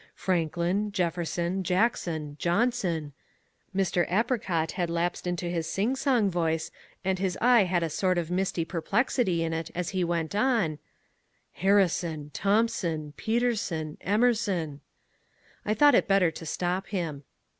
Franklin, Jefferson, Jackson, Johnson," Mr. Apricot had relapsed into his sing song voice, and his eye had a sort of misty perplexity in it as he went on, "Harrison, Thomson, Peterson, Emerson " I thought it better to stop him.